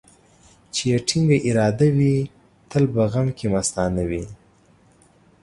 چي يې ټينگه اراده وي ، تل په غم کې مستانه وي.